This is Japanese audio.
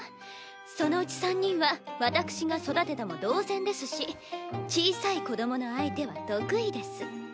そのうち３人は私が育てたも同然ですし小さい子どもの相手は得意です。